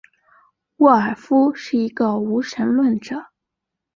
沃尔夫是一个无神论者。